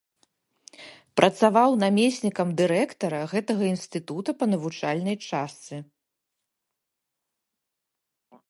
Працаваў намеснікам дырэктара гэтага інстытута па навучальнай частцы.